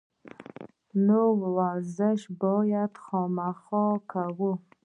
نو ورزش دې خامخا کوي